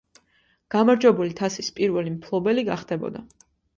გამარჯვებული თასის პირველი მფლობელი გახდებოდა.